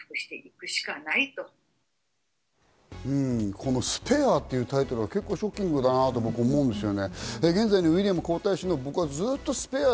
この『ＳＰＡＲＥ』というタイトルは結構ショッキングだなと思うんですよね。